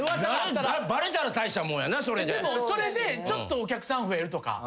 でもそれでちょっとお客さん増えるとか。